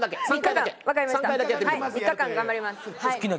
はい３日間頑張ります